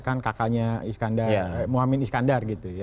kakaknya mohamid iskandar